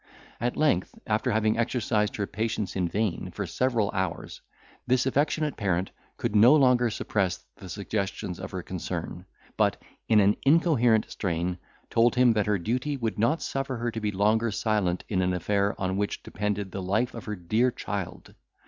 At length, after having exercised her patience in vain for several hours, this affectionate parent could no longer suppress the suggestions of her concern, but, in an incoherent strain, told him that her duty would not suffer her to be longer silent in an affair on which depended the life of her dear child.